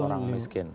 untuk orang miskin